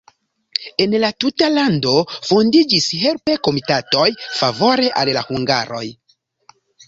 En la tuta lando fondiĝis helpo-komitatoj favore al la hungaroj.